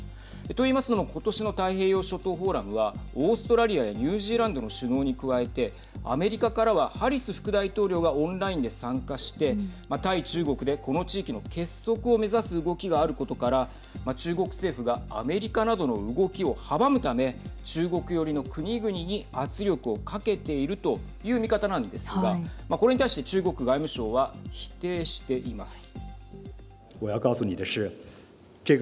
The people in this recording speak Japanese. といいますのもことしの太平洋諸島フォーラムはオーストラリアやニュージーランドの首脳に加えてアメリカからはハリス副大統領がオンラインで参加して対中国で、この地域の結束を目指す動きがあることから中国政府がアメリカなどの動きを阻むため中国寄りの国々に圧力をかけているという見方なんですがこれに対して中国外務省は否定しています。